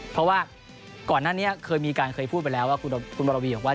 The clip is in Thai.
เพราะว่าก่อนไหนเคยเอาอีกครั้งคุณวราวีแบบก้าวว่า